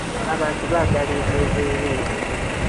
Abantu baagala ebyobwerere.